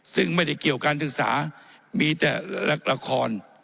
ซึ่งไม่ได้เกี่ยวการศึกษามีแต่ละคร